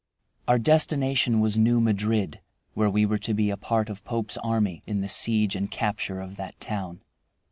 Our destination was New Madrid, where we were to be a part of Pope's army in the siege and capture of that town.